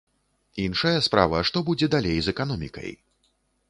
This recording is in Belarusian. Іншая справа, што будзе далей з эканомікай.